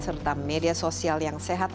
serta media sosial yang sehat